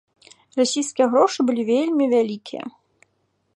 Расійскія грошы былі вельмі вялікія.